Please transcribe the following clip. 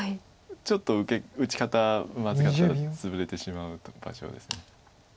ちょっと打ち方まずかったらツブれてしまう場所です。